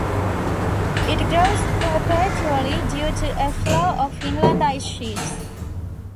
It grows perpetually due to a flow of inland ice sheets.